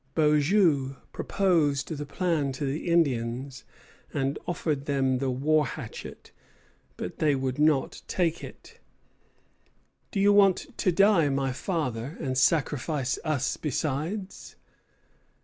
Beaujeu proposed the plan to the Indians, and offered them the war hatchet; but they would not take it. "Do you want to die, my father, and sacrifice us besides?"